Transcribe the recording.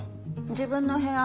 自分の部屋。